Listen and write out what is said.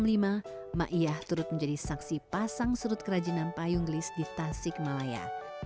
iyah terus menjadi saksi pasang surut kerajinan payung gelis di tasik malaya